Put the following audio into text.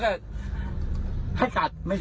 ลูกโกหกหนูแล้ว